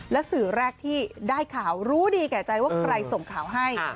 และสื่อแรกที่ได้ข่าวรู้ดีแก่ใจว่าใครส่งข่าวให้